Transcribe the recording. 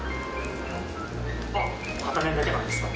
あっ片面だけなんですか？